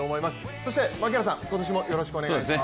そして槙原さん、今年もよろしくお願いします。